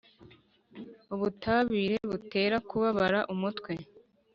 ubutabire butera kubabara umutwe